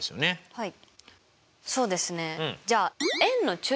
はい。